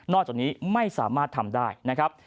จากนี้ไม่สามารถทำได้นะครับ